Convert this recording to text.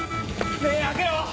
目ぇ開けろ！